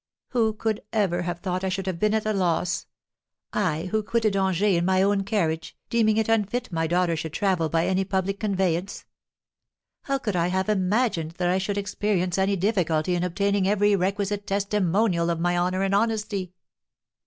Who could ever have thought I should have been at a loss, I who quitted Angers in my own carriage, deeming it unfit my daughter should travel by any public conveyance? How could I have imagined that I should experience any difficulty in obtaining every requisite testimonial of my honour and honesty?"